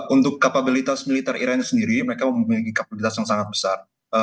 untuk kapabilitas militer iran sendiri mereka memiliki kapabilitas yang sangat besar